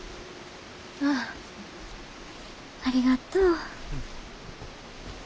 ああありがとう。